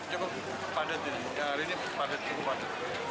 cukup padat ini hari ini padat ini padat